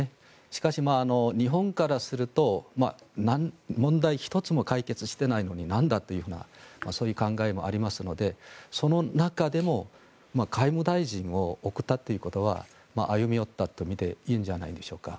しかし、日本からすると問題１つも解決していないのになんだというようなそういう考えもありますのでその中でも外務大臣を送ったということは歩み寄ったと見ていいのではないでしょうか。